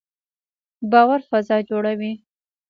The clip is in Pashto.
باور فضا جوړوي